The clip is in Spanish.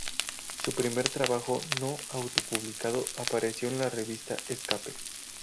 Su primer trabajo no auto publicado apareció en la revista "Escape".